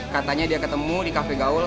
katanya dia ketemu di cafe gaul